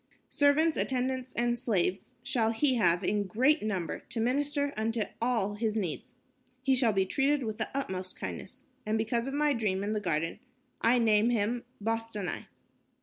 "Servants, attendants and slaves shall he have in great number to minister unto all his needs. He shall be treated with the utmost kindness. And because of my dream in the garden, I name him Bostanai."